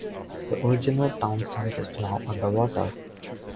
The original townsite is now under water.